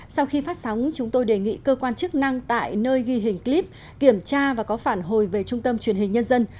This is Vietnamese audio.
sau khi phát sóng chúng tôi đề nghị cơ quan chức năng tại nơi ghi hình clip kiểm tra và có phản hồi về trung tâm truyền hình nhân dân